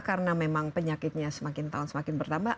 karena memang penyakitnya semakin tahun semakin bertambah